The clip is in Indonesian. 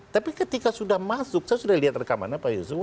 tapi ketika sudah masuk saya sudah lihat rekamannya pak yusuf